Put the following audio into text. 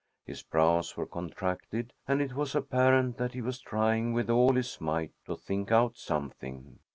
His brows were contracted, and it was apparent that he was trying with all his might to think out something.